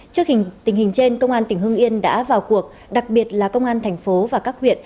trước hình trên công an tỉnh hưng yên đã vào cuộc đặc biệt là công an thành phố và các huyện